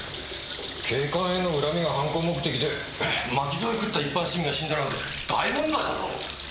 警官への恨みが犯行目的で巻き添えをくった一般市民が死んだら大問題だぞ。